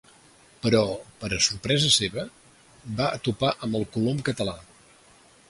Però, per a sorpresa seva, va topar amb el Colom català.